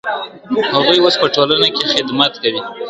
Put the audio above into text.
هغوی اوس په ټولنه کي خدمت کوي.